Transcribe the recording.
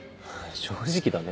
正直だね